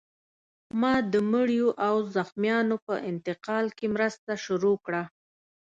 ما د مړیو او زخمیانو په انتقال کې مرسته شروع کړه